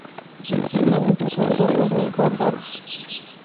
دوی مجبور وو چې په وړیا ډول کار وکړي.